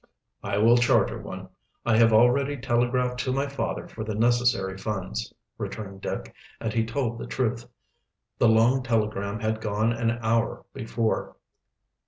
"I will charter one. I have already telegraphed to my father for the necessary funds," returned Dick, and he told the truth. The long telegram had gone an hour before.